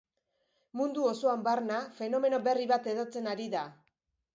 Mundu osoan barna fenomeno berri bat hedatzen ari da.